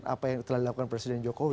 apa yang telah dilakukan presiden jokowi